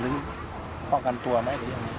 หรือต้องตัวหรือ